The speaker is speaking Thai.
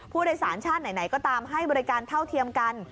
ผู้โดยสารชาติไหนก็ตามให้บริการเท่าเทียมกัน